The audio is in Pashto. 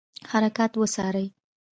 حرکات وڅاري.